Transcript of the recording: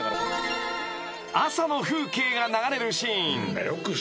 ［『朝の風景』が流れるシーン］